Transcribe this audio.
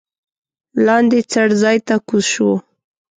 لاندې څړځای ته کوز شوو.